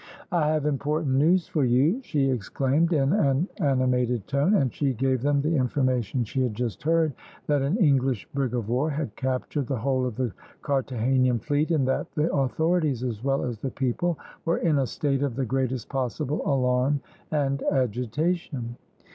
"I have important news for you," she exclaimed, in an animated tone: and she gave them the information she had just heard, that an English brig of war had captured the whole of the Carthagenan fleet, and that the authorities as well as the people were in a state of the greatest possible alarm and agitation.